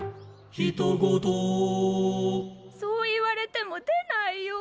「ひと事」そう言われても出ないよ。